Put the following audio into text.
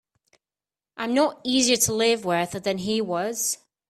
I'm not easier to live with than he was.